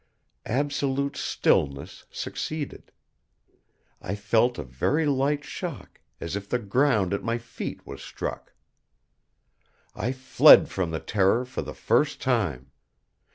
Absolute stillness succeeded. I felt a very slight shock, as if the ground at my feet was struck. I fled from the terror for the first time.